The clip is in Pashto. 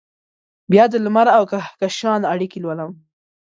بیا دلمر اوکهکشان اړیکې لولم